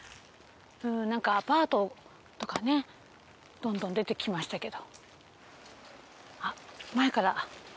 なんかアパートとかねどんどん出てきましたけど。